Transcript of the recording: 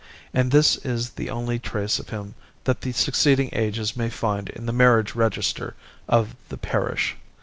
And this is the only trace of him that the succeeding ages may find in the marriage register of the parish.